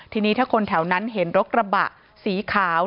ทีนี้ถ้าคนแถวนั้นเห็นรถกระบะสีขาว